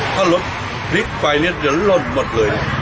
ถ้ารถพลิกไปเนี่ยเดี๋ยวล่นหมดเลยนะ